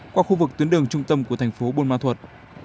qua khu vực tuyến đường trung tâm của thành phố buôn ma thuật